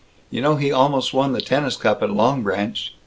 You know, he almost won the tennis cup at Long Branch."